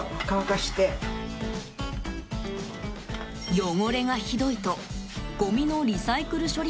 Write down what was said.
汚れがひどいとごみのリサイクル処理